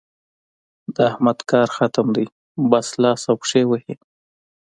د احمد کار ختم دی؛ بس لاس او پښې وهي.